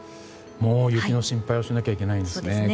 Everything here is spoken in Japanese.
もう雪の心配をしないといけないんですね。